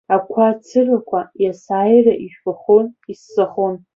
Ақәа цырақәа иасааира ижәпахон, иссахон.